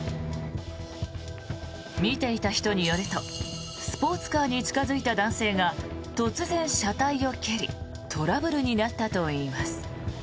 見ていた人によるとスポーツカーに近付いた男性が突然、車体を蹴りトラブルになったといいます。